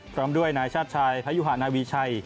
พร้อมด้วยนายชาติชายพยุหานาวีชัย